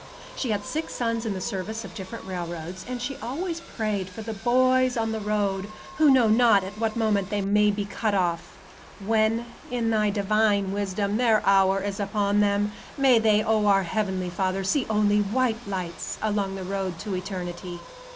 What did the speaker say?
She had six sons in the service of different railroads, and she always prayed "for the boys on the road, who know not at what moment they may be cut off. When, in Thy divine wisdom, their hour is upon them, may they, O our Heavenly Father, see only white lights along the road to Eternity."